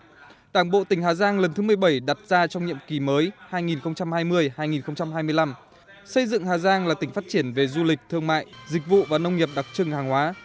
đại hội đảng bộ tỉnh hà giang lần thứ một mươi bảy đặt ra trong nhiệm kỳ mới hai nghìn hai mươi hai nghìn hai mươi năm xây dựng hà giang là tỉnh phát triển về du lịch thương mại dịch vụ và nông nghiệp đặc trưng hàng hóa